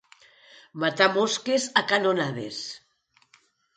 Matar mosques a canonades.